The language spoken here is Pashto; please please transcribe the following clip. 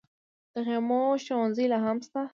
د خیمو ښوونځي لا هم شته؟